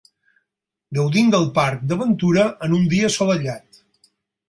Gaudint del parc d'aventura en un dia assolellat.